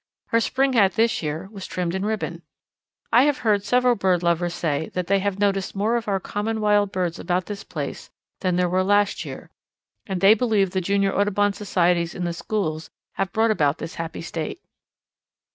Her spring hat this year was trimmed in ribbon. I have heard several bird lovers say that they have noticed more of our common wild birds about this place than there were last year, and they believe the Junior Audubon societies in the schools have brought about this happy state.